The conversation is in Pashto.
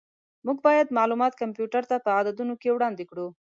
موږ باید معلومات کمپیوټر ته په عددونو کې وړاندې کړو.